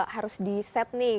harus di set nih